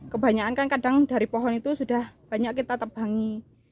kebanyakan kan kadang dari pohon itu sudah banyak kita tebangi